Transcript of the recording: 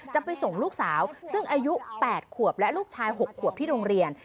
จะไปส่งลูกสาวซึ่งอายุ๘ขวบและลูกชาย๖ขวบที่โรงเรียน